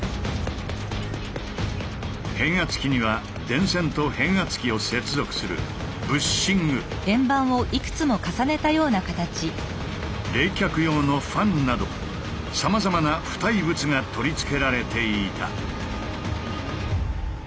変圧器には電線と変圧器を接続するブッシング冷却用のファンなどさまざまな付帯物が取り付けられていた。